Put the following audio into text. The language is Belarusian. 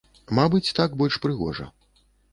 Мабыць, так больш прыгожа.